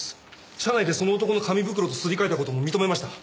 車内でその男の紙袋とすり替えた事も認めました。